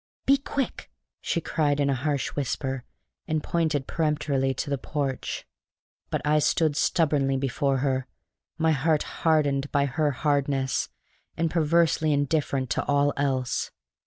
"Be quick!" she cried in a harsh whisper, and pointed peremptorily to the porch. But I stood stubbornly before her, my heart hardened by her hardness, and perversely indifferent to all else.